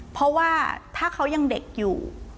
เพราะว่าถ้าเขายังเด็กอยู่